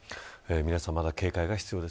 皆さん、まだ警戒が必要です。